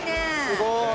すごーい。